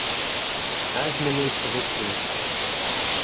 Әҙме ни сығып ҡуйыр.